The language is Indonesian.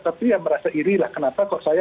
tapi ya merasa iri lah kenapa kok saya